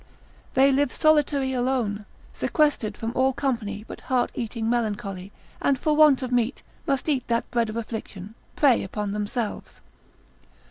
They live solitary, alone, sequestered from all company but heart eating melancholy; and for want of meat, must eat that bread of affliction, prey upon themselves.